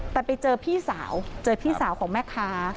แต่ไปเจอพี่สาวเจอพี่สาวของแม่ค้า